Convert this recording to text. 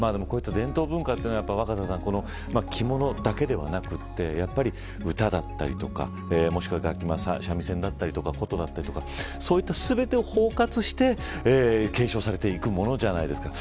でもこういった伝統文化というのは、若狭さん着物だけではなくて唄だったりとか、もしくは楽器三味線だったり、琴だったりそういった全てを包括して継承されていくものじゃないですか。